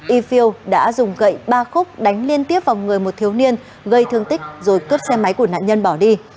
y phil đã dùng gậy ba khúc đánh liên tiếp vào người một thiếu niên gây thương tích rồi cướp xe máy của nạn nhân bỏ đi